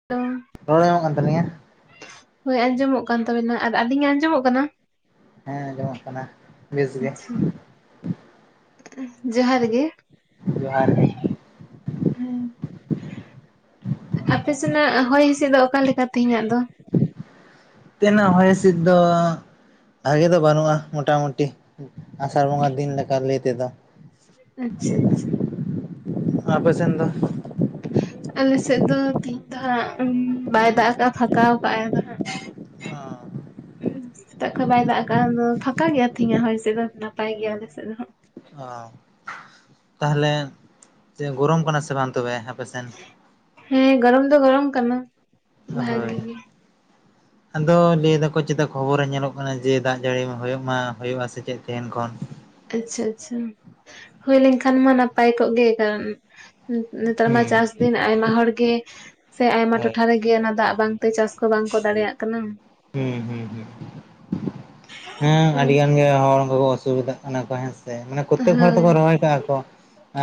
[unintelligible] ᱨᱚᱲ ᱟᱡᱚᱢᱚᱜ ᱠᱟᱱ ᱛᱟᱞᱤᱧᱟ ᱦᱳᱭ ᱟᱸᱡᱚᱢᱚᱜ ᱠᱟᱱ ᱛᱟᱵᱮᱱ ᱟᱨ ᱟᱹᱞᱤᱧ ᱟᱸᱡᱚᱢᱚᱜ ᱠᱟᱱᱟ᱾ ᱦᱮᱸ ᱟᱸᱡᱚᱢᱚᱜ ᱠᱟᱱᱟ ᱵᱮᱥ ᱜᱮ ᱟᱪᱪᱷᱟ ᱡᱚᱦᱟᱨ ᱜᱮ ᱡᱚᱦᱟᱨ ᱜᱮ [unintelligible] ᱟᱯᱮ ᱥᱮᱱᱟᱜ ᱦᱚᱭ ᱦᱤᱸᱥᱤᱫ ᱫᱚ ᱚᱠᱟ ᱞᱮᱠᱟ ᱛᱮᱦᱮᱧᱼᱟᱜ ᱫᱚ [unintelligible] ᱦᱚᱭ ᱦᱤᱸᱥᱤᱫ ᱫᱚ ᱵᱷᱟᱸᱜᱮ ᱫᱚ ᱵᱟᱹᱱᱩᱜᱼᱟ ᱢᱚᱴᱟ ᱢᱩᱴᱤ ᱟᱥᱟᱲ ᱵᱚᱸᱜᱟ ᱫᱤᱱ ᱟᱪᱪᱷᱟ ᱞᱮᱠᱟ ᱞᱟᱹᱭ ᱛᱮᱫᱚ ᱟᱪᱪᱷᱟ ᱟᱪᱪᱷᱟ ᱟᱯᱮ ᱥᱮᱱ ᱫᱚ ᱟᱞᱮ ᱥᱮᱫ ᱫᱚ ᱛᱤᱦᱤᱧ ᱫᱚ ᱦᱟᱸᱜ ᱵᱟᱭ ᱫᱟᱜ ᱟᱠᱟᱜᱼᱟ ᱯᱷᱟᱠᱟ ᱟᱠᱟᱫᱟᱭ ᱟᱫᱚ ᱦᱟᱸᱜ ᱦ [unintelligible] ᱦᱮᱸ [unintelligible] ᱥᱮᱛᱟᱜ ᱠᱷᱚᱱ ᱵᱟᱭ ᱫᱟᱜ ᱠᱟᱜᱟ, ᱫᱚ ᱯᱷᱟᱸᱠᱟ ᱜᱮᱭᱟ ᱾ ᱛᱤᱦᱤᱧᱟ ᱦᱳᱭᱦᱤᱥᱫ ᱫᱚ ᱱᱟᱯᱟᱭ ᱜᱮᱭᱟ ᱾ ᱟᱞᱮᱥᱮᱫ ᱫᱚ ᱦᱟᱜ ᱚ ᱛᱟᱦᱚᱞᱮ ᱜᱚᱨᱚᱢ ᱠᱟᱱᱟ ᱥᱮ ᱵᱟᱝ ᱛᱚᱵᱮ ᱦᱟᱯᱮᱥᱮᱱ? ᱦᱮᱸ ᱜᱚᱨᱚᱢ ᱫᱚ ᱜᱚᱨᱚᱢ ᱠᱟᱱᱟ᱾ ᱦᱳᱭ ᱵᱷᱟᱜᱤ ᱜᱮ [inaudible] ᱟᱫᱚ ᱞᱟᱹᱭ ᱫᱟᱠᱚ ᱪᱮᱛᱟ, ᱠᱷᱚᱵᱚᱨᱮ ᱧᱮᱞᱚᱜ ᱠᱟᱱᱟ ᱾ ᱡᱮ ᱫᱟᱜ ᱡᱟᱹᱲᱤ ᱦᱩᱭᱩᱜ ᱢᱟ, ᱦᱩᱭᱩᱜ ᱟ ᱥᱮ ᱪᱮᱫ ᱛᱮᱦᱮᱱ ᱠᱷᱚᱱ ᱾ ᱟᱪᱪᱷᱟ ᱟᱪᱪᱷᱟ ᱦᱩᱭᱳ ᱞᱮᱱᱠᱷᱟᱱ ᱢᱟ ᱱᱟᱯᱟᱭ ᱠᱚᱜ ᱜᱮ ᱠᱟᱨᱚᱱ ᱱᱮᱛᱟᱨ ᱢᱟ ᱦᱩᱸ ᱪᱟᱥ ᱫᱤᱱ ᱟᱭᱢᱟ ᱦᱚᱲ ᱜᱮ ᱥᱮ ᱟᱭᱢᱟ ᱦᱳᱭ ᱴᱚᱴᱷᱟ ᱨᱮᱜᱮ ᱚᱱᱟ ᱫᱟᱜ ᱵᱟᱝ ᱛᱮ ᱪᱟᱥ ᱠᱚ ᱵᱟᱝᱠᱚ ᱫᱟᱲᱮᱭᱟᱜ ᱠᱟᱱᱟ᱾ ᱦᱩᱸ ᱦᱩᱸ ᱦᱩᱸ ᱦᱮᱸ ᱟᱹᱰᱤ ᱜᱟᱱ ᱜᱮ ᱦᱚᱲ ᱠᱚᱠᱚ ᱚᱥᱩᱵᱤᱫᱷᱟᱜ ᱠᱟᱱᱟ᱾ ᱠᱚ ᱦᱮᱸᱥ ᱢᱟᱱᱮ ᱯᱨᱚᱛᱮᱠ ᱦᱚᱲ ᱦᱳᱭ ᱫᱚᱠᱚ ᱨᱚᱦᱚᱭ ᱠᱟᱜᱼᱟ ᱠᱚ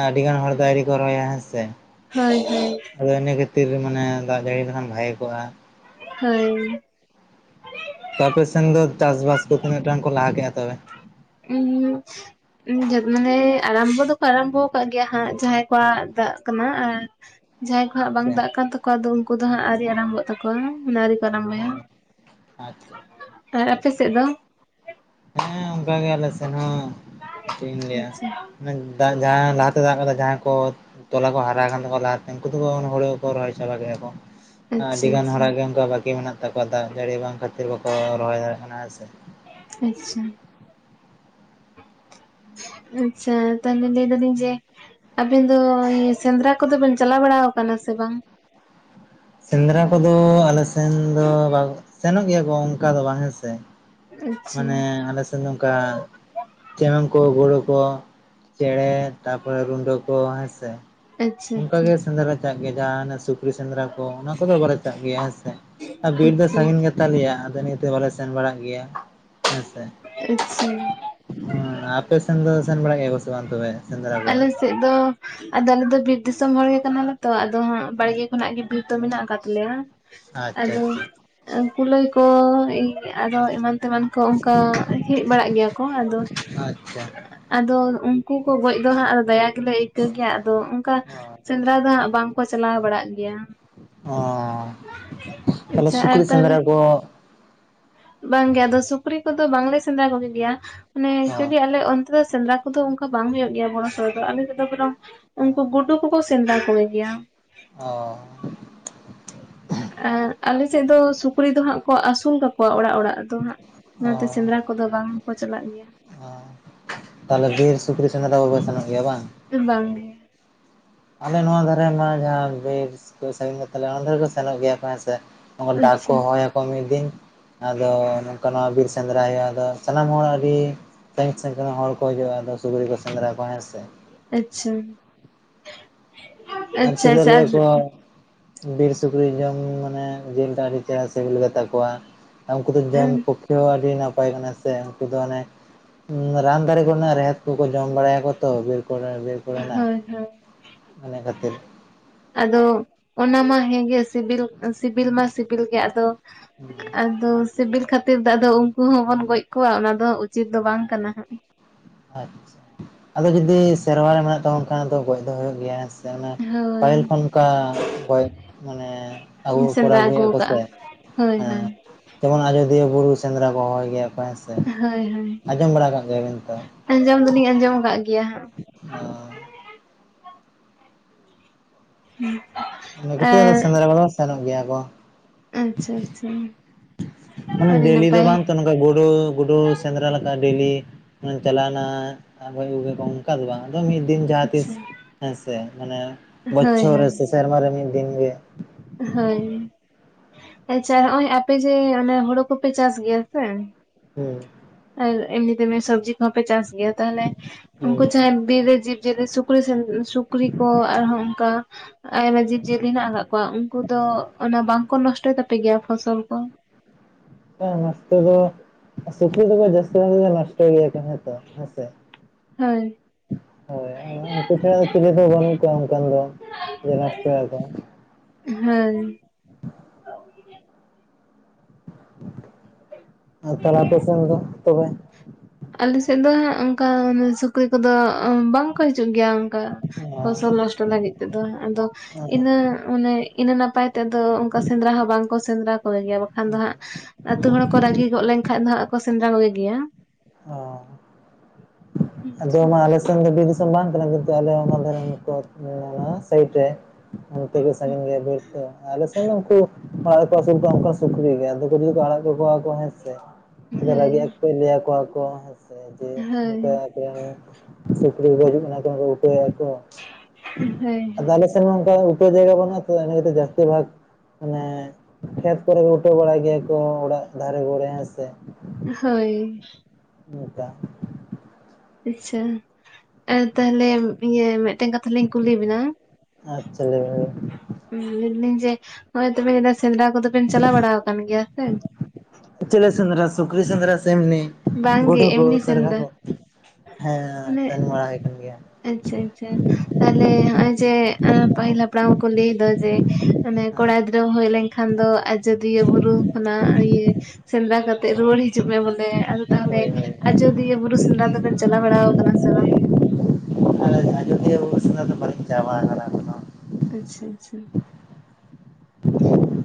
ᱟᱹᱰᱤ ᱜᱟᱱ ᱦᱚᱲ ᱫᱚ ᱟᱹᱨᱤ ᱠᱚ ᱨᱚᱦᱚᱭᱟ ᱦᱮᱸ ᱥᱮ ᱦᱳᱭ ᱦᱳᱭ ᱟᱫᱚ ᱤᱱᱟᱹ ᱠᱷᱟᱹᱛᱤᱨ ᱢᱟᱱᱮ ᱫᱟᱜ ᱡᱟᱹᱲᱤ ᱞᱮᱠᱷᱟᱱ ᱵᱷᱟᱜ ᱠᱚᱜᱼᱟ᱾ ᱦᱳᱭ ᱛᱟᱯᱮ ᱥᱮᱱ ᱫᱚ ᱪᱟᱥ ᱵᱟᱥ ᱠᱚ ᱛᱤᱱᱟᱹᱜ ᱜᱟᱱ ᱠᱚ ᱞᱟᱦᱟ ᱠᱮᱫᱼᱟ ᱛᱚᱵᱮ? [unintelligible] ᱢᱟᱱᱮ ᱟᱨᱟᱢᱵᱷᱚ ᱫᱚᱠᱚ ᱟᱨᱟᱢᱵᱚ ᱠᱟᱜ ᱜᱮᱭᱟ ᱦᱟᱸᱜ ᱡᱟᱦᱟᱸᱭ ᱠᱚᱣᱟᱜ ᱫᱟᱜ ᱠᱟᱱᱟ᱾ ᱟᱨ ᱡᱟᱸᱦᱟᱭ ᱠᱚ ᱦᱟᱸᱜ ᱵᱟᱝ ᱟᱪᱪᱷᱟ ᱫᱟᱜ ᱠᱟᱱ ᱛᱟᱠᱚᱣᱟ ᱟᱫᱚ ᱩᱱᱠᱩ ᱫᱚ ᱦᱟᱸᱜ ᱟᱹᱣᱨᱤ ᱟᱨᱟᱢᱵᱚᱜ ᱛᱟᱠᱚᱣᱟ ᱚᱱᱟ ᱟᱨᱠᱤ ᱟᱨᱢᱵᱚᱭᱟ ᱦᱮᱸ ᱟᱪᱪᱷᱟ ᱟᱨ ᱟᱯᱮ ᱥᱮᱫ ᱫᱚ? ᱦᱮᱸ ᱚᱱᱠᱟ ᱜᱮ ᱟᱞᱮ ᱥᱮᱱᱦᱚ ᱪᱮᱫ ᱤᱧ ᱞᱮᱭᱟ? ᱟᱪᱪᱷᱟ ᱫᱟᱜ ᱡᱟᱦᱟᱸᱟᱭ ᱞᱟᱦᱟᱛᱮ, ᱫᱟᱜ ᱟᱠᱟᱫᱟ ᱡᱟᱦᱟᱸᱟᱭ ᱠᱚ ᱛᱚᱞᱟ ᱠᱚ ᱦᱟᱨᱟ ᱟᱠᱱᱛᱟᱠᱣᱟ, ᱞᱟᱦᱟᱛᱮ ᱩᱱᱠᱩ ᱫᱚᱠᱚ ᱦᱳᱲᱳ ᱠᱚ ᱨᱚᱦᱚᱭ ᱪᱟᱵᱟ ᱠᱮᱜ-ᱟᱠᱚ ᱾ ᱟᱪᱪᱷᱟ ᱟᱹᱰᱤᱜᱟᱱ ᱟᱪᱪᱷᱟ ᱦᱚᱲᱟᱜ ᱜᱮ ᱚᱱᱠᱟ ᱵᱟᱹᱠᱤ ᱢᱮᱱᱟᱜ ᱛᱟᱠᱚᱣᱟ ᱫᱟᱜ ᱡᱟᱹᱲᱤ ᱵᱟᱝ ᱠᱷᱟᱹᱛᱤᱨ ᱵᱟᱠᱚ ᱨᱚᱦᱚᱭ ᱫᱟᱲᱮᱜ ᱠᱟᱱᱟ ᱦᱮᱸᱥᱮ ᱾ ᱟᱪᱪᱷᱟ ᱟᱪᱪᱷᱟ ᱛᱟᱦᱞᱮ ᱞᱟᱹᱭ ᱫᱟᱹᱞᱤᱧ ᱡᱮ ᱟᱵᱤᱱ ᱫᱚ ᱥᱮᱸᱫᱽᱨᱟ ᱠᱚᱫᱚ ᱵᱤᱱ ᱪᱟᱞᱟᱣ ᱵᱟᱲᱟ ᱟᱠᱟᱱᱟ ᱥᱮ ᱵᱟᱝ? ᱥᱮᱸᱫᱽᱨᱟ ᱠᱚᱫᱚ ᱟᱞᱮ ᱥᱮᱱ ᱫᱚ ᱥᱮᱱᱚᱜ ᱜᱮᱭᱟ ᱠᱚ ᱚᱱᱠᱟ ᱫᱚ ᱵᱟᱝ ᱦᱮᱸᱥᱮ ᱾ ᱟᱪᱪᱷᱟ ᱢᱟᱱᱮ ᱟᱞᱮ ᱥᱮᱫ ᱚᱱᱠᱟ ᱪᱮᱢᱮᱝ ᱠᱚ ᱜᱳᱲᱳ ᱠᱚ ᱪᱮᱸᱬᱮ ᱛᱟᱯᱚᱨᱮ ᱨᱩᱰᱟᱹ ᱠᱚ ᱦᱮᱸᱥᱮ ᱟᱪᱪᱷᱟ ᱚᱱᱠᱟ ᱟᱪᱪᱷᱟ ᱜᱮ ᱥᱮᱸᱫᱽᱨᱟ ᱪᱟᱜ ᱜᱮᱭᱟ ᱡᱟᱦᱟ ᱱᱟᱜ ᱥᱩᱠᱨᱤ ᱥᱮᱸᱫᱽᱨᱟ ᱠᱚ, ᱚᱱᱟ ᱠᱚᱫᱚ ᱵᱟᱞᱮᱪᱟᱜ ᱜᱮᱭᱟ ᱦᱮᱸᱥᱮ, ᱟᱨ ᱵᱤᱨ ᱫᱚ ᱟᱪᱪᱷᱟ ᱥᱟᱺᱜᱤᱧ ᱠᱟᱛᱮ ᱛᱟᱞᱮᱭᱟ ᱟᱫᱚ ᱱᱤᱭᱟᱹᱛᱮ ᱵᱟᱞᱮ ᱥᱮᱱ ᱵᱟᱲᱟᱜ ᱜᱮᱭᱟ ᱦᱮᱸᱥᱮ ᱟᱪᱪᱷᱟ ᱾ ᱦᱩᱸ ᱟᱯᱮ ᱥᱮᱱ ᱫᱚ ᱥᱮᱱ ᱵᱮᱲᱟᱜ ᱜᱮᱭᱟ ᱥᱮ ᱵᱟᱝ ᱛᱚᱵᱮ? ᱥᱮᱸᱫᱽᱨᱟ ᱠᱚ ᱟᱞᱮ ᱥᱮᱜ ᱫᱚ ᱟᱫᱚᱬᱟᱞᱮ ᱫᱚ ᱵᱤᱨ ᱫᱤᱥᱚᱢ ᱦᱚᱲ ᱜᱮ ᱠᱟᱱᱟᱞᱮ ᱛᱚ ᱟᱫᱚ ᱦᱟᱸᱜ ᱵᱟᱲᱜᱮ ᱠᱷᱚᱱᱟᱜ ᱜᱮ ᱵᱤᱨᱛᱚ ᱢᱮᱱᱟᱜ ᱟᱠᱟᱫ ᱛᱟᱞᱮᱭᱟ ᱟᱪᱪᱷᱟ ᱟᱫᱚ ᱟᱪᱪᱷᱟ ᱠᱩᱞᱟᱹᱭ ᱠᱚ ᱟᱨᱚ ᱮᱢᱟᱱ ᱛᱮᱢᱟᱱ ᱠᱚ ᱚᱱᱠᱟ ᱦᱮᱡ ᱵᱟᱲᱟᱜ ᱜᱮᱭᱟ ᱠᱚ ᱾ ᱟᱫᱚ ᱟᱪᱪᱷᱟ ᱟᱫᱚ ᱩᱱᱠᱩ ᱠᱚ ᱜᱚᱡ ᱫᱚ ᱦᱟᱸᱜ ᱫᱟᱭᱟ ᱜᱮᱞᱮ ᱟᱹᱭᱠᱟᱹᱶ ᱠᱟ. ᱣ ᱜᱮᱭᱟ ᱾ ᱟᱫᱚ ᱚᱱᱠᱟ ᱚ ᱥᱮᱸᱫᱽᱨᱟ ᱫᱚ ᱦᱟᱸᱜ ᱵᱟᱝᱠᱚ ᱪᱟᱞᱟᱣ ᱵᱟᱲᱟᱜ ᱜᱮᱭᱟ ᱾ ᱚ ᱛᱟᱦᱚᱞᱮ ᱟᱪᱪᱷᱟ ᱟᱨ ᱥᱩᱠᱨᱤ ᱥᱮᱸᱫᱽᱨᱟ ᱛᱟᱦᱚᱞᱮ ᱠᱚ, ᱵᱟᱝᱜᱮ ᱟᱫᱚ ᱥᱩᱠᱨᱤ ᱠᱚᱫᱚ ᱵᱟᱝᱞᱮ ᱥᱮᱸᱫᱽᱨᱟ ᱠᱚᱜᱮᱭᱟ ᱾ ᱢᱟᱱᱮ ᱚ ᱡᱫᱤ ᱟᱞᱮ ᱛᱚᱵᱮ ᱥᱮᱸᱫᱽᱨᱟ ᱠᱚᱫᱚ ᱚᱱᱠᱟ ᱵᱟᱝ ᱦᱩᱭᱩᱜ ᱜᱮᱭᱟ ᱾ ᱵᱚᱲᱚ ᱥᱚᱲᱚ ᱫᱚ ᱟᱞᱮ ᱛᱮᱫᱚ ᱵᱚᱨᱚᱝ ᱚ ᱩᱱᱠᱩ ᱜᱩᱰᱩ ᱠᱚᱠᱚ ᱥᱮᱸᱫᱽᱨᱟ ᱠᱚᱜᱮ ᱜᱮᱭᱟ ᱾ ᱚᱸ ᱟᱨ ᱟᱞᱮᱥᱮᱫ ᱫᱚ ᱥᱩᱠᱨᱤ ᱫᱚ ᱦᱟᱸᱜ ᱠᱚ ᱟᱹᱥᱩᱞ ᱠᱟᱠᱚᱣᱟ ᱚᱲᱟᱜ ᱚᱲᱟᱜ ᱾ ᱛᱚ ᱦᱟᱸᱜ ᱚ ᱚᱱᱟᱛᱮ ᱥᱮᱸᱫᱽᱨᱟ ᱠᱚᱫᱚ ᱵᱟᱝᱠᱚ ᱪᱟᱞᱟᱜ ᱜᱮᱭᱟ ᱾ ᱚ ᱛᱟᱦᱞᱮ ᱵᱤᱨ ᱥᱩᱠᱨᱤ ᱥᱮᱸᱫᱽᱨᱟ ᱫᱚᱠᱚ ᱥᱮᱱᱚᱜ ᱜᱮᱭᱟ ᱵᱟᱝ ᱾ ᱵᱟᱝ ᱜᱮ ᱟᱞᱮ ᱱᱚᱣᱟ ᱫᱷᱟᱨᱮ ᱢᱟ ᱡᱟᱦᱟᱸ ᱵᱤᱨᱥ ᱠᱚ ᱥᱟᱺᱜᱤᱧ ᱜᱮ ᱛᱟᱞᱮᱭᱟ ᱚᱱᱟ ᱫᱷᱟᱨᱮ ᱠᱚ ᱥᱮᱱᱚᱜ ᱜᱮᱭᱟ ᱠᱚ ᱦᱮᱸ ᱥᱮ᱾ ᱰᱟᱜ ᱠᱚ ᱟᱪᱪᱷᱟ ᱦᱚᱦᱚ ᱭᱟᱠᱚ ᱢᱤᱜ ᱫᱤᱱ ᱟᱫᱚ ᱱᱚᱝᱠᱟ ᱱᱚᱣᱟ ᱵᱤᱨ ᱥᱮᱸᱫᱽᱨᱟ ᱦᱩᱭᱩᱜᱼᱟ ᱟᱫᱚ ᱥᱟᱱᱟᱢ ᱦᱚᱲᱟᱜ ᱟᱹᱰᱤ ᱥᱟᱺᱜᱤᱧ ᱥᱟᱺᱜᱤᱧ ᱠᱷᱟᱱ ᱦᱚᱲ ᱠᱚ ᱦᱤᱡᱩᱜᱼᱟ᱾ ᱟᱫᱚ ᱥᱩᱠᱨᱤ ᱠᱚ ᱥᱮᱸᱫᱽᱨᱟ ᱠᱚᱣᱟ ᱦᱮᱸ ᱥᱮ᱾ ᱟᱪᱷᱟ ᱟᱨᱪᱮᱫᱮ ᱟᱪᱪᱷᱟ ᱞᱟᱹᱭᱟᱠᱚ-ᱼ ᱵᱤᱨ ᱥᱩᱠᱨᱤ ᱡᱚᱢ ᱢᱟᱱᱮ ᱡᱤᱞ ᱴᱟᱜ ᱟᱹᱰᱤ ᱪᱮᱦᱮᱨᱟ ᱥᱤᱵᱤᱞ ᱜᱮ ᱛᱟᱠᱚᱣᱟ ᱟ ᱩᱝᱠᱩ ᱫᱚ ᱡᱚᱢ ᱟᱨ ᱯᱚᱠᱷ ᱠᱮ ᱦᱚᱸ ᱟᱹᱰᱤ ᱱᱟᱯᱟᱭ ᱠᱟᱱᱟ ᱥᱮ ᱩᱝᱠᱩ ᱫᱚ ᱚᱱᱮ ᱨᱟᱱ ᱫᱷᱟᱨᱮ ᱠᱚᱨᱱᱟ ᱨᱮᱦᱮᱫ ᱠᱚᱠᱚ ᱡᱚᱢ ᱵᱟᱲᱟᱭᱟᱠᱚ ᱛᱚ ᱵᱤᱨ ᱠᱚᱨᱮ ᱵᱤᱨ ᱠᱚᱨᱮᱱᱟᱜ [unintelligible] ᱤᱱᱟ ᱠᱷᱟᱹᱛᱤᱨ ᱟᱫᱚ ᱚᱱᱟ ᱢᱟ ᱦᱮᱸᱜᱮ ᱥᱤᱵᱤᱞ ᱥᱤᱵᱤᱞ ᱢᱟ ᱥᱤᱵᱤᱞ ᱜᱮ ᱟᱫᱚ ᱦᱩᱸ, ᱟᱫᱚ ᱥᱤᱵᱤᱞ ᱠᱷᱟᱹᱛᱤᱨ ᱫᱚ ᱟᱫᱚ ᱩᱝᱠᱩ ᱦᱚᱸᱵᱚᱱ ᱜᱚᱡ ᱠᱚᱣᱟ ᱚᱱᱟ ᱫᱚ ᱦᱟᱸᱜ ᱩᱪᱤᱛ ᱫᱚ ᱵᱟᱝ ᱠᱟᱱᱟ ᱦᱟᱸᱜ᱾ ᱟᱪᱷᱟ ᱟᱫᱚ ᱡᱩᱫᱤ ᱥᱮᱨᱣᱟ ᱨᱮ ᱢᱮᱱᱟᱜ ᱛᱟᱵᱚᱱ ᱠᱷᱟᱱ ᱟᱫᱚ ᱜᱚᱡ ᱫᱚ ᱦᱩᱭᱩᱜ ᱜᱮᱭᱟ ᱦᱮᱸᱥᱮ ᱚᱱᱟ ᱦᱳᱭ ᱯᱟᱹᱦᱤᱞ ᱠᱷᱚᱱ ᱚᱜᱠᱟ ᱜᱚᱡ ᱢᱟᱱᱮ ᱦᱮᱸ ᱟᱹᱜᱩ ᱥᱮᱸᱫᱽᱨᱟ ᱠᱚᱨᱟᱣ ᱟᱹᱜᱩ ᱟᱹᱜᱩᱭᱮᱜᱼᱟ ᱠᱚ ᱥᱮ ᱠᱟᱜᱼᱟ ᱦᱮᱸ ᱦᱳᱭ ᱦᱳᱭ ᱡᱮᱢᱚᱱ ᱟᱡᱚᱫᱤᱭᱟᱹ ᱵᱩᱨᱩ ᱥᱮᱸᱫᱽᱨᱟ ᱠᱚ ᱦᱚᱦᱚᱭ ᱜᱮᱭᱟ ᱠᱚ ᱦᱮᱸ ᱥᱮ ᱦᱳᱭ ᱦᱳᱭ ᱟᱸᱡᱚᱢ ᱵᱟᱲᱟ ᱠᱟᱜ ᱜᱮᱭᱟᱵᱤᱱ ᱛᱚ? ᱟᱸᱡᱚᱢ ᱫᱚᱞᱤᱧ ᱟᱸᱡᱚᱢ ᱠᱟᱜ ᱜᱮᱭᱟ ᱦᱟᱸᱜ᱾ ᱚ ᱩᱱᱟᱹ ᱠᱷᱟᱛᱤᱨ ᱟᱫᱚ ᱟᱨ ᱥᱮᱸᱫᱽᱨᱟ ᱠᱚᱫᱚ ᱥᱮᱱᱚᱜ ᱜᱮᱭᱟ ᱠᱚ᱾ ᱟᱪᱷᱟ ᱟᱪᱷᱟ ᱢᱟᱱᱮ ᱰᱮᱞᱤ ᱫᱚ ᱵᱟᱝ ᱠᱟᱱᱩᱢ ᱜᱩᱰᱩ ᱜᱩᱰᱩ ᱥᱮᱸᱫᱽᱨᱟ ᱞᱮᱠᱟ ᱰᱮᱞᱤ ᱪᱟᱞᱟᱣᱱᱟ ᱟ ᱜᱚᱡ ᱟᱹᱜᱩ ᱠᱮᱜ ᱠᱚᱣᱟᱢ ᱠᱟ ᱫᱚ ᱵᱟᱝ ᱟᱫᱚ ᱢᱤᱜ ᱫᱤᱱ ᱡᱟᱦᱟᱸ ᱛᱤᱥ ᱟᱪᱪᱷᱟ ᱦᱮᱸᱥᱮ ᱢᱟᱱᱮ ᱦᱳᱭ ᱵᱚᱪᱷᱚᱨ ᱨᱮ ᱥᱮ ᱥᱮᱨᱢᱟ ᱨᱮ ᱢᱤᱜ ᱫᱤᱱ ᱜᱮ᱾ ᱦᱟᱹᱭ ᱟᱪᱷᱟ ᱦᱚᱜᱼᱚᱭ ᱟᱯᱮ ᱡᱮ ᱚᱱᱟ ᱦᱩᱲᱩ ᱠᱚᱯᱮ ᱪᱟᱥ ᱜᱮᱭᱟ ᱥᱮ? ᱦᱮᱸ ᱟᱨ ᱮᱢᱱᱤ ᱛᱮ ᱥᱚᱵᱡᱤ ᱠᱚᱦᱚᱸ ᱯᱮ ᱪᱟᱥ ᱜᱮᱭᱟ ᱛᱟᱦᱞᱮ ᱩᱱᱠᱩ ᱦᱩᱸ ᱡᱟᱦᱟᱸᱭ ᱵᱤᱨ ᱨᱮ ᱡᱤᱵᱽ ᱡᱤᱭᱟᱹᱞᱤ ᱥᱩᱠ ᱠᱨᱤ ᱥᱮᱱ ᱥᱩᱠᱨᱤ ᱠᱚ ᱟᱨᱦᱚᱸ ᱚᱝᱠᱟ ᱟᱭᱢᱟ ᱡᱤᱵᱽᱡᱤᱭᱟᱹᱞᱤ ᱦᱮᱱᱟᱜ ᱠᱟᱜ ᱠᱚᱣᱟ ᱩᱝᱠᱩ ᱫᱚ ᱚᱱᱟ ᱵᱟᱝᱠᱚ ᱱᱚᱥᱴᱚᱭ ᱛᱟᱯᱮᱜ ᱜᱮᱭᱟ ᱯᱷᱚᱥᱚᱞ ᱠᱚ? ᱦᱮᱸ ᱱᱚᱥᱴᱚ ᱫᱚ ᱥᱩᱠᱨᱤ ᱫᱚᱠᱚ ᱡᱟᱹᱥᱛᱤ ᱠᱟᱭ ᱛᱮᱠᱚ ᱱᱚᱥᱴᱚ ᱜᱮᱭᱟ ᱦᱮᱸ ᱛᱚ ᱦᱮᱸᱥᱮ᱾ ᱦᱳᱭ ᱦᱳᱭ ᱟ ᱩᱝᱠᱩ ᱪᱷᱟᱲᱟ ᱫᱚ ᱪᱤᱞᱤ ᱛᱚ ᱵᱟᱹᱱᱩᱜ ᱠᱚᱣᱟ ᱚᱝᱠᱟᱱ ᱫᱚ ᱡᱮ ᱱᱚᱥᱴᱚᱭᱟᱠᱚ᱾ ᱦᱮᱸ ᱟᱨ ᱛᱟᱞᱮ ᱟᱯᱮ ᱥᱮᱱ ᱫᱚ ᱛᱚᱵᱮ? ᱟᱞᱮ ᱥᱮᱜ ᱫᱚ ᱦᱟᱸᱜ ᱚᱝᱠᱟ ᱥᱩᱠᱨᱤ ᱠᱚᱫᱚ ᱚᱸ ᱵᱟᱝᱠᱚ ᱦᱤᱡᱩᱜ ᱜᱮᱭᱟ ᱚᱝᱠᱟ᱾ ᱚ ᱯᱷᱚᱥᱚᱞ ᱱᱚᱥᱴᱚ ᱞᱟᱹᱜᱤᱜ ᱛᱮᱫᱚ ᱟᱫᱚ ᱤᱱᱟ ᱚᱱᱮ ᱤᱱᱟᱹ ᱱᱟᱯᱟᱭ ᱛᱮ ᱟᱫᱚ ᱚᱝᱠᱟ ᱥᱮᱸᱫᱽᱨᱟ ᱦᱚᱸ ᱵᱟᱝᱠᱚ ᱥᱮᱸᱫᱽᱨᱟ ᱠᱚ ᱜᱮᱭᱟ ᱵᱟᱠᱷᱟᱱ ᱫᱚ ᱚ ᱦᱟᱸᱜ ᱟᱹᱛᱩ ᱦᱚᱲ ᱠᱚ ᱨᱟᱹᱜᱤ ᱜᱚᱜ ᱞᱮᱱᱠᱷᱟᱡ ᱫᱚᱦᱟᱸᱜ ᱠᱚ ᱥᱮᱸᱫᱽᱨᱟ ᱠᱚᱜᱮ ᱜᱮᱭᱟ᱾ ᱚ ᱟᱫᱚ ᱢᱟ ᱟᱞᱮ ᱥᱮᱱ ᱫᱚ ᱵᱤᱨ ᱫᱤᱥᱚᱢ ᱵᱟᱝ ᱠᱟᱱᱟ, ᱠᱤᱱᱛᱩ ᱟᱞᱮ ᱚᱱᱟ ᱫᱷᱟᱨᱮ ᱨᱮᱱ ᱠᱚ ᱟᱱᱟ ᱥᱟᱭᱤᱰ ᱨᱮ ᱚᱱᱛᱮ ᱜᱮ ᱥᱟᱺᱜᱤᱧ ᱜᱮᱭᱟ ᱵᱤᱨ ᱠᱚ ᱟᱞᱮ ᱥᱮᱱ ᱫᱚ ᱩᱝᱠᱩ ᱟᱲᱟᱜ ᱨᱮᱠᱚ ᱟᱹᱥᱩᱞ ᱠᱚᱣᱟ ᱚᱜᱠᱟ ᱥᱩᱠᱨᱤ ᱜᱮ ᱟᱫᱚᱠᱩ ᱡᱩᱫᱤ ᱠᱚ ᱟᱲᱟᱜ ᱠᱟᱠᱚᱣᱟ ᱠᱚ ᱦᱮᱸ ᱥᱮ ᱟᱫᱚ ᱦᱳᱭ ᱨᱟᱹᱜᱤᱜᱼᱟ ᱠᱚ ᱞᱟᱹᱭᱟ ᱠᱚᱣᱟ ᱠᱚ ᱦᱮᱸᱥᱮ ᱡᱮ ᱦᱳᱭ [unintelligible] ᱥᱩᱠᱨᱤ ᱠᱚᱠᱚ ᱦᱤᱡᱩᱜ ᱠᱟᱱᱟ ᱠᱚ ᱩᱴᱟᱹᱭᱟᱠᱚ ᱦᱮᱸ ᱦᱮᱸ ᱮᱱᱛᱮ ᱨᱮᱦᱚᱸᱚᱠᱟ ᱩᱴᱟᱹ ᱡᱟᱭᱜᱟ ᱵᱟᱹᱱᱩᱜᱼᱟ ᱛᱚ ᱤᱱᱟᱹ ᱠᱷᱟᱛᱤᱨ ᱡᱥᱛᱤ ᱵᱷᱟᱜ ᱢᱟᱱᱮ ᱠᱷᱮᱛ ᱠᱚᱨᱮ ᱠᱚ ᱩᱴᱟᱹᱣ ᱵᱟᱲᱟᱭ ᱜᱮᱭᱟ ᱠᱚ ᱚᱲᱟᱜ ᱫᱷᱟᱨᱮ ᱜᱚᱲᱮ ᱦᱮᱸᱥᱮ᱾ ᱦᱳᱭ ᱩᱠᱟ ᱟᱪᱪᱷᱟ ᱟᱨ ᱛᱟᱦᱚᱞᱮ ᱤᱭᱟᱹ ᱢᱤᱫᱴᱮᱱ ᱠᱟᱛᱷᱟ ᱛᱟᱷᱟᱞᱤᱧ ᱠᱩᱞᱤ ᱵᱤᱱᱟ ᱟᱪᱪᱷᱟ ᱞᱟᱹᱭ ᱵᱤᱱ ᱩᱸ ᱞᱟᱹᱭ ᱫᱟᱞᱤᱧ ᱡᱮ ᱱᱚᱜᱼᱚᱭ ᱛᱚᱵᱮ ᱥᱮᱸᱫᱽᱨᱟ ᱠᱚᱫᱚᱵᱮᱱ ᱪᱟᱞᱟᱣ ᱵᱟᱲᱟ ᱟᱠᱟᱱ ᱜᱮᱭᱟ ᱥᱮ? ᱪᱮᱞᱮ ᱥᱮᱸᱫᱽᱨᱟ ᱥᱩᱠᱨᱤ ᱥᱮᱸᱫᱽᱨᱟ ᱥᱮ ᱮᱢᱱᱤ ᱵᱟᱝᱜᱮ ᱜᱳᱰᱳ ᱠᱚ ᱮᱢᱱᱤ ᱥᱚᱨᱟᱨᱜᱟ ᱥᱮᱸᱫᱽᱨᱟ ᱠᱚ? ᱦᱮᱸ ᱢᱟᱱᱮ ᱥᱮᱱ ᱢᱟᱨᱲᱟ ᱦᱩᱭ ᱠᱟᱱᱟ ᱟᱪᱪᱷᱟ ᱟᱪᱪᱷᱟ ᱛᱟᱦᱞᱮ ᱦᱚᱜᱼᱚᱭ ᱡᱮ ᱯᱟᱹᱦᱤᱞ ᱦᱟᱯᱟᱲᱟᱢ ᱠᱚᱠᱚ ᱞᱟᱹᱭ ᱫᱟ ᱡᱮ ᱢᱟᱱᱮ ᱠᱚᱲᱟ ᱜᱤᱫᱽᱨᱟᱹᱢ ᱦᱚᱭ ᱞᱮᱱᱠᱷᱟᱱ ᱫᱚ ᱟᱡᱚᱫᱤᱭᱟᱹ ᱵᱩᱨᱩ ᱠᱷᱚᱱᱟᱜ ᱤᱭᱟᱹ ᱥᱮᱸᱨᱟ ᱠᱟᱛᱮᱫ ᱨᱩᱣᱟᱹᱲ ᱦᱤᱡᱩᱜ ᱢᱮ ᱵᱚᱞᱮ ᱛᱟᱦᱚᱞᱮ ᱦᱳᱭ ᱦᱳᱭ ᱟᱡᱚᱫᱤᱭᱟᱹ ᱵᱩᱨᱩ ᱥᱮᱸᱫᱽᱨᱟ ᱫᱚᱵᱮᱱ ᱪᱟᱞᱟᱣ ᱵᱟᱲᱟ ᱟᱠᱟᱱᱟ ᱥᱮ ᱵᱟᱝ? ᱟᱡᱚᱫᱤᱭᱹ ᱵᱩᱨᱩ ᱥᱮᱸᱫᱽᱨᱟ ᱫᱚ ᱵᱟᱨᱮᱧ ᱪᱟᱵᱟᱣᱟ ᱠᱟᱱᱟ ᱟᱪᱪᱷᱟ ᱟᱪᱪᱷᱟ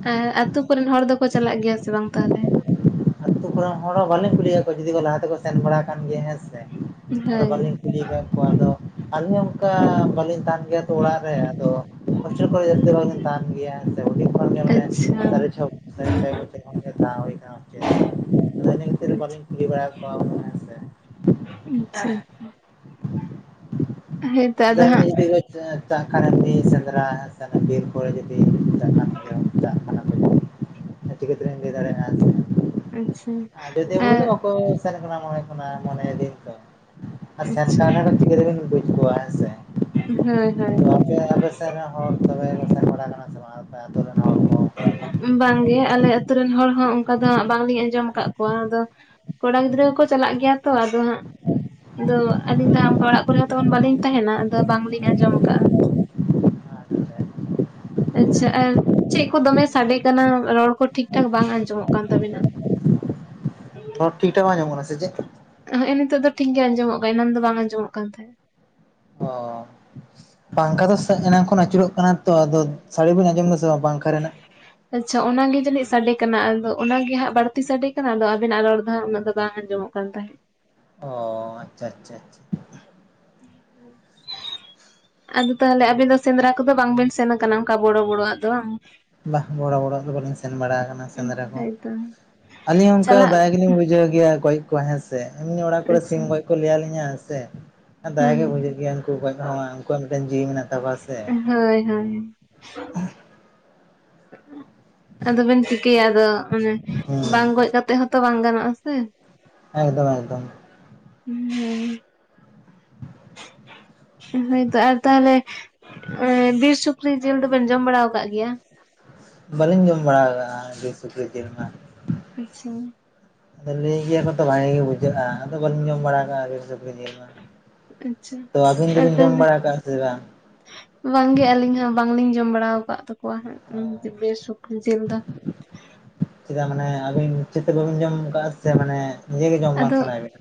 ᱟᱨ ᱟᱛᱳ ᱠᱚᱨᱮᱱ ᱦᱚᱲ ᱫᱚᱠᱚ ᱪᱟᱞᱟᱜ ᱜᱮᱭᱟ ᱥᱮ ᱵᱟᱝ ᱛᱟᱦᱚᱞᱮ? ᱟᱛᱳ ᱠᱚᱨᱮᱱ ᱦᱚᱲ ᱦᱚᱸ ᱵᱟᱹᱞᱤᱧ ᱠᱩᱞᱤᱭᱮᱫ ᱠᱚᱣᱟ ᱡᱩᱫᱤ ᱞᱟᱦᱟ ᱛᱮᱠᱚ ᱥᱮᱱ ᱵᱟᱲᱟ ᱟᱠᱟᱱ ᱜᱮᱭᱟ ᱦᱮᱸ ᱥᱮ ᱟᱫᱚ ᱦᱳᱭ ᱵᱟᱹᱞᱤᱧ ᱠᱩᱞᱤ ᱠᱟᱫ ᱠᱚᱣᱟ ᱟᱫᱚ ᱟᱹᱞᱤᱧ ᱦᱚᱸ ᱚᱱᱠᱟ ᱵᱟᱹᱞᱤᱧ ᱛᱟᱦᱮᱱ ᱜᱮᱭᱟ ᱛᱚ ᱚᱲᱟᱜ ᱨᱮ ᱟᱫᱚ ᱠᱷᱨᱪᱟ ᱠᱚᱨᱮ ᱡᱟᱹᱥᱛᱤ ᱵᱷᱟᱜ ᱛᱟᱦᱮᱱ ᱜᱮᱭᱟ ᱥᱮ ᱦᱩᱰᱤᱧ ᱠᱷᱚᱱᱜ ᱜᱮ ᱟᱪᱪᱷᱟ ᱥᱟᱨᱮ ᱪᱷᱚ ᱥᱟᱭ ᱪᱷᱚᱭ ᱵᱚᱪᱷᱚᱨ ᱠᱷᱚᱱ ᱜᱮ ᱛᱟᱦᱮᱸ ᱦᱳᱭ ᱠᱟᱱᱟ ᱦᱤᱥᱴᱮᱞ ᱨᱮ ᱟᱫᱚ ᱤᱱᱟᱹ ᱠᱷᱟ. ᱛᱤᱨ ᱵᱟᱹᱞᱤᱧ ᱠᱩᱞᱤ ᱵᱟᱲᱟ ᱮᱫ ᱠᱚᱣᱟ ᱦᱮᱸᱥᱮ ᱟᱪᱪᱷᱟ [inaudible] ᱟᱫᱚ ᱮᱢᱱᱤ ᱡᱩᱫᱤᱠᱚ ᱪᱟᱜᱱ ᱮᱢᱱᱤ ᱥᱮᱸᱫᱽᱨᱟ ᱵᱤᱨ ᱠᱚᱨᱮ ᱡᱩᱫᱤ ᱪᱟᱜ ᱠᱷᱟᱱ ᱦ [inaudible] ᱟ ᱪᱤᱠᱟᱹᱛᱤᱞᱤᱧ ᱞᱟᱹᱭᱫᱟᱲᱮᱭᱟᱼᱟ ᱟᱪᱪᱷᱟ ᱟᱡᱚᱫᱤᱭᱟ. ᱠᱚᱨᱮ ᱟᱨ ᱫᱚ ᱵᱟᱠᱚ ᱥᱮᱱ ᱠᱟᱱᱟ ᱢᱚᱱᱮ ᱠᱟᱱᱟ ᱢᱚᱱᱮ ᱫᱤᱱ ᱛᱚ ᱟᱨ ᱥᱮᱱ ᱟᱪᱪᱷᱟ ᱠᱟᱱ ᱨᱮᱦᱚ ᱪᱤᱠᱟᱹᱛᱮᱵᱤᱱ ᱵᱩᱡ ᱠᱚᱣᱟ ᱦᱮᱸᱥᱮ ᱦᱩᱸ ᱦᱩᱸ ᱥᱮ ᱟᱯᱮᱥᱮᱫ ᱨᱮᱱ ᱦᱚᱲ ᱛᱚᱵᱮ ᱠᱚ ᱥᱮᱱ ᱵᱟᱲᱟ ᱠᱟᱱᱟ ᱥᱮ ᱵᱟᱝ ᱟᱯᱮ ᱟᱛᱳ ᱨᱮᱱ ᱦᱚᱲ ᱠᱚ ᱵᱟᱝᱜᱮ ᱟᱞᱮ ᱟᱛᱳ ᱨᱮᱱ ᱦᱚᱲ ᱦᱚᱸ ᱚᱱᱠᱟ ᱫᱚ ᱦᱟᱸᱜ ᱵᱟᱝᱞᱤᱧ ᱟᱸᱡᱚᱢ ᱟᱠᱟᱫ ᱠᱚᱣᱟ ᱟᱫᱚ ᱠᱚᱲᱟ ᱜᱤᱫᱽᱨᱟᱹ ᱠᱚ ᱪᱟᱞᱟᱜ ᱜᱮᱭᱟ ᱛᱚ ᱟᱫᱚ ᱦᱟᱸᱜ ᱟᱫᱚ ᱟᱹᱞᱤᱧ ᱫᱚ ᱦᱟᱸᱜ ᱚᱱᱠᱟ ᱚᱲᱟᱜ ᱠᱚᱨᱮ ᱦᱚᱸ ᱛᱮᱢᱚᱱ ᱵᱟᱹᱞᱤᱧ ᱛᱟᱦᱮᱱᱟ ᱟᱫᱚ ᱵᱟᱝᱞᱤᱧ ᱟᱸᱡᱚᱢ ᱟᱠᱟᱫᱼᱟ᱾ ᱟᱪᱪᱷᱟ ᱟᱨ ᱪᱮᱫ ᱠᱚ ᱫᱚᱢᱮ ᱥᱟᱰᱮ ᱠᱟᱱᱟ ᱨᱚᱲ ᱠᱚ ᱴᱷᱤᱠ ᱴᱷᱟᱠ ᱵᱟᱝ ᱟᱸᱡᱚᱢᱚᱜ ᱠᱟᱱ ᱛᱟᱵᱤᱱᱟ [inaudible] ᱨᱚᱲ ᱴᱷᱤᱠ ᱴᱷᱟᱠ ᱵᱟᱝ ᱟᱡᱚᱢᱚᱜ ᱠᱟᱱᱟ ᱥᱮ ᱪᱮᱫ ᱦᱮᱸ ᱱᱤᱛᱚᱜ ᱫᱚ ᱴᱷᱤᱜ ᱜᱮ ᱟᱸᱡᱚᱢᱚᱜ ᱠᱟᱱᱟ ᱮᱱᱟᱱ ᱫᱚ ᱵᱟᱝ ᱟᱸᱡᱚᱢᱚᱜ ᱠᱟᱱ ᱛᱟᱦᱮᱸᱫ ᱚ ᱯᱟᱝᱠᱷᱟ ᱫᱚ ᱮᱱᱟᱝ ᱠᱷᱚᱱ ᱟᱹᱪᱩᱨᱚᱜ ᱠᱟᱱᱟ ᱛᱚ ᱟᱫᱚ ᱥᱟᱹᱲᱤ ᱵᱤᱱ ᱟᱸᱡᱚᱢ ᱫᱟ ᱥᱮ ᱵᱟᱝ ᱨᱮᱱᱟᱜ ᱟᱪᱷᱟ ᱚᱱᱟᱜᱮ ᱡᱟᱹᱱᱤᱡ ᱥᱟᱰᱮ ᱠᱟᱱᱟ ᱟᱫᱚ ᱚᱱᱟᱜᱮ ᱦᱟᱸᱜ ᱵᱟᱹᱲᱛᱤ ᱥᱟᱰᱮ ᱠᱟᱱᱟ ᱟᱫᱚ ᱟᱵᱤᱱᱟᱜ ᱨᱚᱲ ᱫᱚ ᱦᱟᱸᱜ ᱩᱱᱟᱹᱜ ᱫᱚ ᱵᱟᱝ ᱟᱸᱡᱚᱢᱚᱜ ᱠᱟᱱ ᱛᱟᱦᱮᱜ ᱚ ᱟᱪᱪᱷᱟ ᱟᱪᱪᱷᱟ ᱟᱪᱪᱷᱟ [inaudible] ᱟᱫᱚ ᱛᱟᱦᱚᱞᱮ ᱟᱵᱤᱱ ᱫᱚ ᱥᱮᱸᱫᱽᱨᱟ ᱠᱚᱫᱚ ᱵᱟᱝᱵᱤᱱ ᱥᱮᱱ ᱟᱠᱟᱱᱟ ᱚᱱᱠᱟ ᱵᱚᱲᱚ ᱵᱚᱲᱚᱣᱟᱜ ᱫᱚ ᱵᱟᱝ ᱵᱟ ᱵᱚᱲᱚ ᱵᱚᱲᱚᱣᱟᱜ ᱫᱚ ᱵᱟᱹᱞᱤᱧ ᱥᱮᱱ ᱵᱟᱲᱟ ᱟᱠᱟᱱᱟ ᱥᱮᱸᱫᱽᱨᱟ ᱠᱚ ᱦᱳᱭᱛᱚ ᱟᱹᱞᱤᱧ ᱦᱚᱸ ᱚᱱᱠᱟ ᱫᱟᱭᱟ ᱪᱟᱞᱟᱜ ᱜᱮᱞᱤᱧ ᱵᱩᱡᱷᱟᱹᱣ ᱜᱮᱭᱟ ᱜᱚᱡ ᱠᱚ ᱦᱮᱸᱥᱮ ᱮᱢᱱᱤ ᱚᱲᱟᱜ ᱠᱚᱨᱮ ᱟᱪᱪᱷᱟ ᱥᱤᱢ ᱜᱚᱡ ᱠᱚ ᱞᱟᱹᱭ ᱟᱹᱞᱤᱧᱟ ᱦᱮᱸᱥᱮ ᱟᱨ ᱫᱟᱭᱟ ᱜᱮ ᱵᱩᱡᱷᱟᱹᱜ ᱦᱩᱸ ᱜᱮᱭᱟ ᱩᱱᱠᱩ ᱜᱚᱡ ᱦᱚᱸ ᱩᱱᱠᱩᱣᱟᱜ ᱢᱤᱫᱴᱮᱱ ᱡᱤᱣᱤ ᱢᱮᱱᱟᱜ ᱛᱟᱠᱚᱣᱟ ᱥᱮ ᱦᱳᱭ ᱦᱳᱭ ᱟᱫᱚᱵᱮᱱ ᱪᱤᱠᱟᱹᱭᱟ ᱟᱫᱚ ᱚᱱᱮ ᱦᱩᱸ ᱵᱟᱝ ᱜᱚᱡ ᱠᱟᱛᱮᱜ ᱦᱚᱸᱛᱚ ᱵᱟᱝ ᱜᱟᱱᱚᱜᱼᱟ ᱥᱮ ᱮᱠᱫᱚᱢᱼᱮᱠᱫᱚᱢ ᱦᱩᱸ ᱦᱮᱸ ᱦᱳᱭᱛᱚ ᱟᱨ ᱛᱟᱦᱞᱮ ᱵᱤᱨ ᱥᱩᱠᱨᱤ ᱡᱤᱞ ᱫᱚᱵᱮᱱ ᱡᱚᱢ ᱵᱟᱲᱟ ᱟᱠᱟᱫ ᱜᱮᱭᱟ ᱵᱟᱹᱞᱤᱧ ᱡᱚᱢ ᱵᱟᱲᱟ ᱟᱠᱟᱜᱼᱟ ᱵᱤᱨ ᱥᱩᱠᱨᱤ ᱡᱤᱞ ᱢᱟ ᱟᱪᱪᱷᱟ ᱟᱫᱚ ᱞᱟᱹᱭ ᱜᱮᱭᱟ ᱠᱚᱛᱚ ᱵᱷᱟᱜᱮ ᱜᱮ ᱵᱩᱡᱷᱟᱹᱜᱼᱟ ᱟᱫᱚ ᱵᱟᱹᱞᱤᱧ ᱡᱚᱢ ᱵᱟᱲᱟ ᱟᱠᱟᱜᱼᱟ ᱟᱪᱪᱷᱟ [unintelligible] ᱛᱚ ᱟᱹᱵᱤᱱ ᱟᱨ ᱫᱚᱵᱤᱱ ᱡᱚᱢ ᱛᱟᱦᱚᱞᱮ ᱵᱟᱲᱟ ᱟᱠᱟᱜᱼᱟ ᱥᱮ ᱵᱟᱝ ᱵᱟᱝᱜᱮ ᱟᱹᱞᱤᱧ ᱦᱚᱸ ᱵᱟᱝᱞᱤᱧ ᱡᱚᱢ ᱵᱟᱲᱟ ᱣᱟᱠᱟᱜ ᱛᱟᱠᱚᱣᱟ ᱦᱟᱸᱜ ᱵᱤᱨ ᱥᱩᱠᱨᱤ ᱡᱤᱞ ᱫᱚ ᱪᱮᱫᱟᱜ ᱢᱟᱱᱮ ᱟᱹᱵᱤᱱ ᱪᱮᱫ ᱛᱮ ᱵᱟᱵᱤᱱ ᱡᱚᱢ ᱠᱟᱜᱼᱟ ᱥᱮ ᱢᱟᱱᱮ ᱱᱤᱡᱮ ᱜᱮ ᱡᱚᱢ ᱵᱟᱝ ᱟᱫᱚ ᱥᱟᱱᱟᱭᱮᱫ ᱵᱤᱱᱟ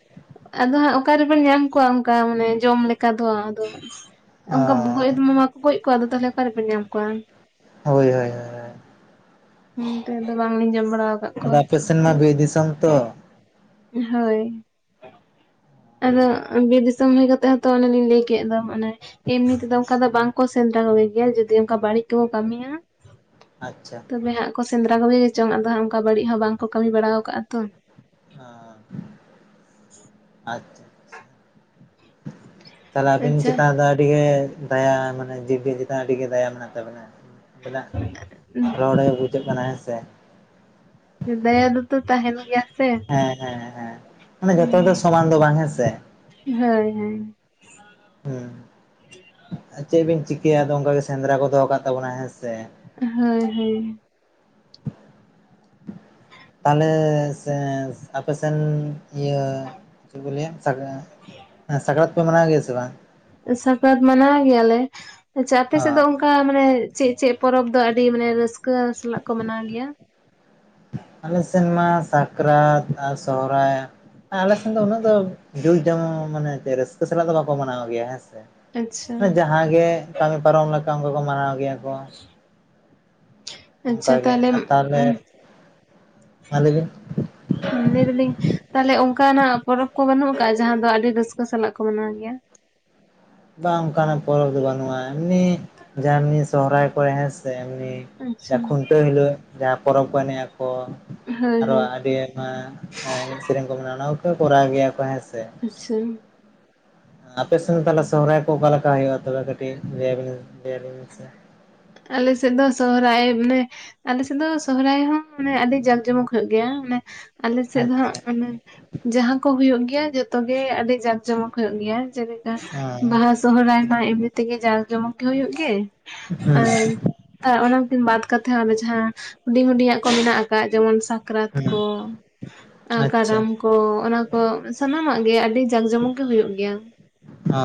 ᱟᱫᱚ ᱦᱟᱸᱜ ᱚᱠᱟ ᱨᱮᱵᱮᱱ ᱧᱟᱢ ᱠᱚᱣᱟ ᱚᱱᱠᱟ ᱢᱟᱱᱮ ᱡᱚᱢ ᱞᱮᱠᱟ ᱫᱚ ᱟᱫᱚ ᱚᱱᱠᱟ ᱜᱚᱡ ᱢᱟᱢᱟ ᱠᱚ ᱜᱚᱡ ᱠᱚᱣᱟ ᱟᱫᱚ ᱛᱟᱦᱚᱞᱮ ᱚᱠᱟ ᱨᱮᱵᱮᱱ ᱧᱟᱢ ᱠᱚᱣᱟ ᱦᱳᱭ ᱦᱳᱭ ᱦᱳᱭ ᱦᱩᱸ ᱛᱮᱦᱮᱧ ᱫᱚ ᱵᱟᱝᱞᱤᱧ ᱡᱚᱢ ᱵᱟᱲᱟᱣ ᱠᱟᱜ ᱟᱫᱚ ᱟᱯᱮ ᱥᱮᱱ ᱢᱟ ᱵᱤᱨ ᱫᱤᱥᱚᱢ ᱛᱚ ᱦᱳᱭ ᱟᱫᱚ ᱵᱤᱨ ᱫᱤᱥᱚᱢ ᱦᱩᱭ ᱠᱟᱛᱮᱜ ᱦᱚᱸᱛᱚ ᱚᱱᱮᱞᱤᱧ ᱞᱟᱹᱭ ᱠᱮᱫ ᱫᱚ ᱢᱟᱱᱮ ᱮᱢᱱᱤ ᱛᱮᱫᱚ ᱚᱱᱠᱟ ᱫᱚ ᱵᱟᱝ ᱠᱚ ᱥᱮᱸᱫᱽᱨᱟ ᱠᱚᱜᱮᱭᱟ ᱡᱩᱫᱤ ᱚᱱᱠᱟ ᱵᱟᱹᱲᱤᱡ ᱠᱚ ᱠᱟᱹᱢᱤᱭᱟ ᱟᱪᱪᱷᱟ ᱛᱚᱵᱮ ᱦᱟᱸᱜ ᱠᱚ ᱥᱮᱸᱫᱽᱨᱟ ᱠᱚᱜ ᱜᱮ ᱪᱚᱝ ᱟᱫᱚ ᱦᱟᱸᱜ ᱚᱱᱠᱟ ᱵᱟᱹᱲᱤᱡ ᱦᱚᱸ ᱵᱟᱝᱠᱚ ᱠᱟᱹᱢᱤ ᱵᱟᱲᱟ ᱣᱟᱠᱟᱜᱼᱟ ᱛᱚ ᱟᱪᱪᱷᱟ [unintelligible] ᱟᱪᱪᱷᱟ ᱛᱟᱦᱞᱮ ᱟᱹᱵᱤᱱ ᱟᱪᱪᱷᱟ ᱪᱮᱛᱟᱱ ᱨᱮᱫᱚ ᱟᱹᱰᱤ ᱜᱮ ᱫᱟᱭᱟ ᱢᱟᱱᱮ ᱡᱤᱵᱽᱞᱤ ᱪᱮᱛᱟᱱ ᱟᱹᱰᱤᱜᱮ ᱫᱟᱭᱟ ᱢᱮᱱᱟᱜ ᱛᱟᱵᱮᱱᱟ ᱵᱚᱞᱮ ᱨᱚᱲᱮ ᱵᱩᱡ ᱪᱮᱫ ᱠᱟᱱᱟ ᱦᱮᱸ ᱥᱮ ᱫᱟᱭᱟ ᱫᱚᱛᱚ ᱛᱟᱦᱮᱱ ᱜᱮᱭᱟ ᱥᱮ ᱦᱮᱸ ᱦᱮᱸ ᱦᱮᱸ ᱢᱟᱱᱮ ᱡᱚᱛᱚ ᱦᱩᱸ ᱫᱚ ᱥᱚᱢᱟᱱ ᱫᱚ ᱵᱟᱝ ᱦᱮᱸ ᱥᱮ ᱦᱳᱭ ᱦᱩᱸ ᱪᱮᱫ ᱵᱤᱱ ᱪᱤᱠᱟᱹᱭᱟ ᱟᱫᱚ ᱚᱱᱠᱟᱜᱮ ᱥᱮᱸᱫᱽᱨᱟ ᱠᱚ ᱫᱚᱦᱚ ᱠᱟᱜ ᱛᱟᱵᱚᱱᱟ ᱦᱮᱸ ᱥᱮ ᱦᱳᱭ ᱦᱳᱭ ᱛᱟᱦᱞᱮ ᱥᱮ ᱟᱯᱮ ᱥᱮᱱ ᱤᱭᱟᱹ ᱪᱮᱫ ᱠᱚ ᱞᱟᱹᱭᱟ ᱥᱟᱠᱨᱟᱛ ᱯᱮ ᱢᱟᱱᱟᱣ ᱜᱮᱭᱟ ᱥᱮ ᱵᱟᱝ ᱥᱟᱠᱨᱟᱛ ᱢᱟᱱᱟᱣ ᱜᱮᱭᱟ ᱞᱮ ᱟᱪᱷᱟ ᱟᱯᱮ ᱚ ᱥᱮᱫ ᱫᱚ ᱚᱱᱠᱟ ᱢᱟᱱᱮ ᱪᱮᱫ-ᱪᱮᱫ ᱯᱚᱨᱚᱵᱽ ᱫᱚ ᱟᱹᱰᱤ ᱢᱟᱱᱮ ᱨᱟᱹᱥᱠᱟᱹ ᱥᱟᱞᱟᱜ ᱠᱚ ᱢᱟᱱᱟᱣ ᱜᱮᱭᱟ ᱟᱞᱮ ᱥᱮᱱ ᱢᱟ ᱥᱟᱠᱨᱟᱛ ᱟᱨ ᱥᱚᱦᱨᱟᱭ ᱟᱞᱮ ᱥᱮᱱ ᱫᱚ ᱩᱱᱟᱹᱜ ᱫᱚ ᱡᱟᱠ-ᱡᱚᱢᱚᱱ ᱢᱟᱱᱮ ᱨᱟᱹᱥᱠᱟᱹ ᱥᱟᱞᱟᱜ ᱫᱚ ᱵᱟᱠᱚ ᱢᱟᱱᱟᱣ ᱜᱮᱭᱟ ᱦᱮᱸ ᱥᱮ ᱟᱪᱪᱷᱟ ᱡᱟᱦᱟᱸ ᱜᱮ ᱠᱟᱹᱢᱤ ᱯᱟᱨᱚᱢ ᱞᱮᱠᱟ ᱚᱝᱠᱟ ᱠᱚ ᱢᱟᱱᱟᱣ ᱜᱮᱭᱟ ᱠᱚ ᱪᱮᱫ ᱦᱚᱸ ᱵᱟᱝ ᱟᱸᱡᱚᱢᱚᱜ ᱠᱟᱱᱟ ᱾ ᱚᱱᱠᱟ ᱟᱪᱷᱟ ᱜᱮ ᱛᱟᱦᱞᱮ ᱟᱨ ᱛᱟᱦᱚᱞᱮ ᱩᱢ ᱢᱟ ᱞᱟᱹᱭ ᱵᱤᱱ ᱞᱟᱹᱭ ᱫᱟ. ᱞᱤᱧ ᱛᱟᱦᱚᱞᱮ ᱚᱱᱠᱟᱱᱟᱜ ᱯᱚᱨᱚᱵᱽ ᱠᱚ ᱵᱟᱹᱱᱩᱜ ᱠᱟᱜᱼᱟ ᱡᱟᱦᱟᱸ ᱫᱚ ᱟᱹᱰᱤ ᱨᱟᱹᱥᱠᱟᱹ ᱥᱟᱞᱟᱜ ᱠᱚ ᱢᱟᱱᱟᱣ ᱜᱮᱭᱟ ᱵᱟᱝ ᱚᱱᱠᱟᱱᱟᱜ ᱯᱚᱨᱚᱵᱽ ᱫᱚ ᱵᱟᱹᱱᱩᱜᱼᱟ ᱮᱢᱱᱤ ᱡᱟᱦᱟᱸ ᱮᱢᱱᱤ ᱥᱚᱦᱨᱟᱭ ᱠᱚᱨᱮ ᱦᱮᱸ ᱥᱮ ᱮᱢᱱᱤ ᱟᱪᱪᱷᱟ ᱠᱷᱩᱱᱴᱟᱹᱣ ᱦᱤᱞᱚᱜ ᱡᱟᱦᱟᱸ ᱯᱚᱨᱚᱵᱽ ᱠᱚ ᱮᱱᱮᱡ ᱟᱠᱚ ᱦᱳᱭ ᱟᱨᱚ ᱦᱳᱭ ᱟᱹᱰᱤ ᱱᱚᱣᱟ ᱮᱱᱮᱡ-ᱥᱮᱨᱮᱧ ᱠᱚ ᱢᱮᱱᱟᱜᱼᱟ ᱚᱱᱟ ᱠᱚ ᱠᱚᱨᱟᱣ ᱜᱮᱭᱟ ᱠᱚ ᱦᱮᱸ ᱥᱮ ᱟᱪᱷᱟ ᱟᱯᱮ ᱥᱮᱱ ᱛᱟᱦᱚᱞᱮ ᱥᱚᱦᱨᱟᱭ ᱠᱚ ᱚᱠᱟ ᱞᱮᱠᱟ ᱦᱩᱭᱩᱜᱼᱟ, ᱛᱚᱵᱮ ᱠᱟᱹᱴᱤᱡ ᱞᱟᱹᱭ ᱟᱵᱤᱱ-ᱞᱟᱹᱭ ᱟᱵᱤᱱ ᱢᱮᱥᱮ ᱟᱞᱮ ᱥᱮᱫ ᱫᱚ ᱥᱚᱦᱨᱟᱭ ᱢᱟᱱᱮ ᱟᱞᱮ ᱥᱮᱫ ᱫᱚ ᱥᱚᱦᱨᱟᱭ ᱦᱚᱸ ᱢᱟᱱᱮ ᱟᱹᱰᱤ ᱡᱟᱠ ᱡᱚᱢᱚᱠ ᱦᱩᱭᱩᱜ ᱜᱮᱭᱟ ᱢᱟᱱᱮ ᱟᱞᱮ ᱥᱮᱫ ᱫᱚ ᱦᱟᱜ ᱟᱪᱪᱷᱟ ᱢᱟᱱᱮ ᱡᱟᱦᱟᱸ ᱠᱚ ᱦᱩᱭᱩᱜ ᱜᱮᱭᱟ ᱡᱚᱛᱚ ᱜᱮ ᱟᱹᱰᱤ ᱡᱟᱠ ᱡᱚᱢᱚᱠ ᱦᱩᱭᱩᱜ ᱜᱮᱭᱟ ᱡᱮ ᱞᱮᱠᱟ ᱦᱮᱸ ᱵᱟᱦᱟ ᱥᱚᱦᱨᱟᱭ ᱢᱟ ᱮᱢᱱᱤ ᱛᱮᱜᱮ ᱡᱟᱠ ᱡᱚᱢᱚᱠ ᱜᱮ ᱦᱩᱭᱩᱜ ᱜᱮ ᱦᱩᱸ ᱟᱨ ᱚᱱᱟᱠᱤᱱ ᱵᱟᱛ ᱠᱟᱛᱮ ᱦᱚᱸ ᱟᱫᱚ ᱡᱟᱦᱟᱸ ᱦᱩᱰᱤᱧ-ᱦᱩᱰᱤᱧ ᱟᱜ ᱠᱚ ᱢᱮᱱᱟᱜ ᱠᱟᱜ-ᱟ ᱡᱮᱢᱚᱱ ᱥᱟ- ᱠᱨᱟᱛ ᱦᱩᱸ ᱠᱚ ᱟᱪᱪᱷᱟ ᱠᱟᱨᱟᱢ ᱠᱚ ᱚᱱᱟ ᱠᱚ ᱥᱟᱱᱟᱢᱟᱜ ᱜᱮ ᱟᱹᱰᱤ ᱡᱟᱠ-ᱡᱚᱢᱚᱠ ᱜᱮ ᱦᱩᱭᱩᱜ ᱜᱮᱭᱟ ᱚ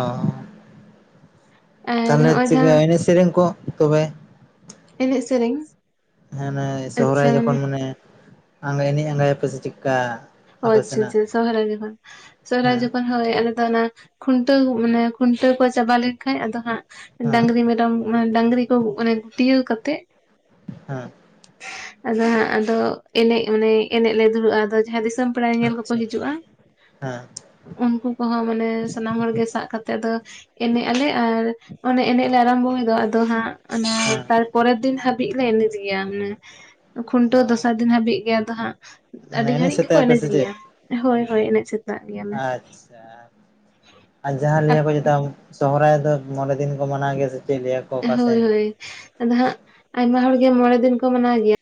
ᱟᱨ ᱛᱟᱦᱞᱮ ᱦᱚᱸᱜᱼᱚᱭ ᱪᱤᱠᱟᱹ ᱡᱟᱦᱟᱸ ᱮᱱᱮᱡ -ᱥᱮᱨᱮᱧ ᱠᱚ ᱛᱚᱵᱮ ᱮᱱᱮᱡ-ᱥᱮᱨᱮᱧ ᱦᱟᱱᱮ ᱥᱚᱦᱨᱟᱭ ᱡᱚᱠᱷᱚᱱ ᱢᱟᱱᱮ ᱮᱱᱮᱡ ᱟᱸᱜᱟ ᱭᱟᱯᱮ ᱥᱮ ᱪᱮᱫᱞᱮᱠᱟ ᱚ ᱟᱪᱷᱟ-ᱟᱪᱷᱟ ᱥᱚᱦᱨᱟᱭ ᱡᱚᱠᱷᱚᱱ, ᱥᱚᱦᱨᱟᱭ ᱦᱮᱸ ᱡᱚᱠᱷᱚᱱ ᱦᱚᱭ ᱟᱞᱮ ᱫᱚ ᱚᱱᱟ ᱠᱷᱩᱱᱴᱟᱹᱣ ᱢᱟᱱᱮ ᱠᱷᱩᱱᱴᱟᱹᱣ ᱠᱚ ᱪᱟᱵᱟ ᱞᱮᱱ ᱠᱷᱟᱡ ᱟᱫᱚ ᱦᱟᱜ ᱦᱮᱸ ᱰᱟᱝᱨᱤ ᱢᱮᱨᱚᱢ ᱢᱟᱱᱮ ᱰᱟᱝᱨᱤ ᱠᱚ ᱢᱟᱱᱮ ᱛᱤᱭᱟᱹᱨ ᱠᱟᱛᱮᱜ ᱦᱮᱸ ᱟᱫᱚ ᱦᱟᱸᱜ ᱟᱫᱚ ᱮᱱᱮᱡ ᱢᱟᱱᱮ ᱮᱱᱮᱡ ᱞᱮ ᱫᱩᱲᱩᱵᱼᱟ, ᱟᱫᱚ ᱡᱟᱦᱟᱸᱛᱤᱥ ᱯᱮᱲᱟ ᱧᱮᱞᱼᱧᱮᱞ ᱠᱚᱠᱚ ᱟᱪᱪᱷᱟ ᱦᱤᱡᱩᱜᱼᱟ᱾ ᱦᱮᱸ ᱩᱱᱠᱩ ᱠᱚᱦᱚᱸ ᱢᱟᱱᱮ ᱥᱟᱱᱟᱢ ᱦᱚᱲ ᱜᱮ ᱥᱟᱵ ᱠᱟᱛᱮ ᱫᱚ ᱮᱱᱮᱡ ᱟᱞᱮ ᱟᱨ ᱚᱱᱮ ᱮᱱᱮᱡ ᱚ ᱞᱮ ᱟᱨᱟᱢᱵᱷᱚᱭ ᱫᱚ ᱟᱫᱚ ᱦᱟᱸᱜ ᱦᱮᱸ ᱛᱟᱨᱯᱚᱨᱮᱨ ᱫᱤᱱ ᱦᱟᱹᱵᱤᱡ ᱞᱮ ᱮᱱᱮᱡ ᱜᱮᱭᱟ ᱚᱱᱮ ᱠᱷᱩᱱᱴᱟᱹᱣ ᱚ ᱫᱚᱥᱟᱨ ᱫᱤᱱ ᱦᱟᱹᱵᱤᱡ ᱜᱮ ᱟᱫᱚ ᱦᱟᱸᱜ ᱢᱟᱱᱮ ᱮᱱᱮᱡ ᱥᱮᱛᱟᱜᱟᱯᱮ ᱥᱮ ᱪᱮᱫ? ᱦᱚᱭ-ᱦᱚᱭ ᱮᱱᱮᱡ ᱥᱮᱛ ᱟᱪᱷᱟ ᱟᱨ ᱡᱟᱦᱟᱸ ᱞᱟᱹᱭᱟᱠᱚ ᱪᱮᱛᱟ ᱥᱚᱦᱚᱨᱟᱭ ᱫᱚ ᱢᱚᱬᱮ ᱫᱤᱱ ᱠᱚ ᱢᱟᱱᱟ ᱜᱮᱭᱟ ᱥᱮ ᱪᱮᱫ ᱞᱟᱹᱭᱟᱠᱚ ᱚᱠᱟᱥᱮᱱ ᱦᱚᱭ-ᱦᱚᱭ ᱟᱫᱚ ᱦᱟᱸᱜ ᱟᱭᱢᱟ ᱦᱚᱲ ᱜᱮ ᱢᱚᱲᱮ ᱫᱤᱱ ᱠᱚ ᱢᱟᱱᱟᱣ ᱜᱮᱭᱟ